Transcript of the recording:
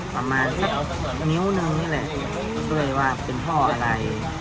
ประมาณนิ้วหนึ่งนี่แหละด้วยว่าเป็นท่ออะไร